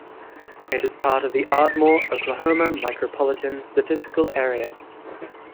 It is part of the Ardmore, Oklahoma Micropolitan Statistical Area.